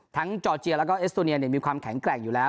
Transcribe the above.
จอร์เจียแล้วก็เอสโตเนียมีความแข็งแกร่งอยู่แล้ว